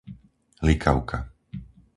Likavka